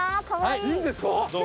いいんですか？